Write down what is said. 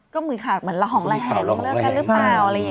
ก็มือขาดเหมือนลองแหละ